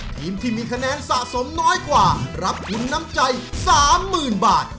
ทีมที่มีคะแนนสะสมน้อยกว่ารับคุณน้ำใจสามหมื่นบาท